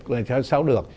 là sao được